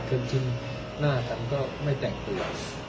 เคยชิ้นน่ากันก็ไม่แต่งตัว